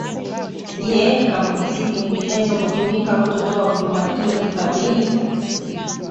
Je ni kampuni zipi nyinginezo hutumika kutotoa huduma hiyo hifadhini